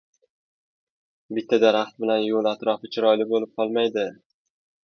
• Bitta daraxt bilan yo‘l atrofi chiroyli bo‘lib qolmaydi.